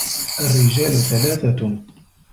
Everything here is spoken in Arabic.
الرِّجَالُ ثَلَاثَةٌ